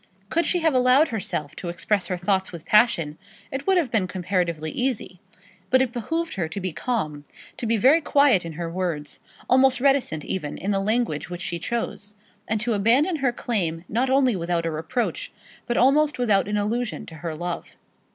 Could she have allowed herself to express her thoughts with passion, it would have been comparatively easy; but it behoved her to be calm, to be very quiet in her words, almost reticent even in the language which she chose, and to abandon her claim not only without a reproach, but almost without an allusion to her love.